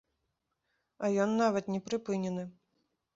А ён нават не прыпынены!